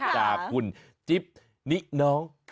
จากคุณจิ๊บนิน้อง